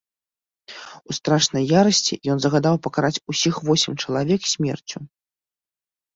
У страшнай ярасці ён загадаў пакараць усіх восем чалавек смерцю.